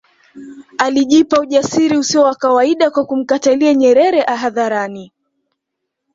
Alijipa ujasiri usio wa kawaida kwa kumkatalia Nyerere hadharani